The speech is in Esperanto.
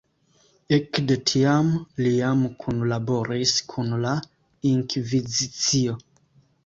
Ekde tiam li jam kunlaboris kun la Inkvizicio.